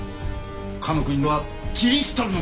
かの国はキリシタンの国ぞ。